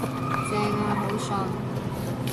正呀，好順